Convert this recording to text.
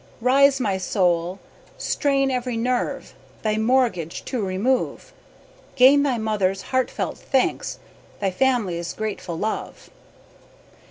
Rise my soul, strain every nerve, Thy morgage to remove, Gain thy mother's heartfelt thanks Thy family's grateful love.